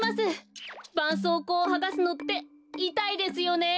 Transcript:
ばんそうこうをはがすのっていたいですよね。